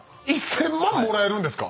１，０００万もらえるんですか